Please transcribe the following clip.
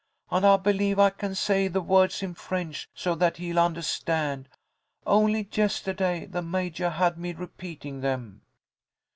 And I believe I can say the words in French so that he'll undahstand. Only yestahday the Majah had me repeating them."